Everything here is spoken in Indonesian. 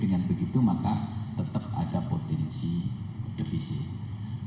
dengan begitu maka tetap ada potensi defisit